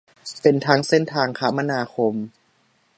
เป็นทั้งเส้นทางคมนาคม